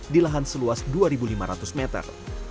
di lahan seluas dua lima ratus meter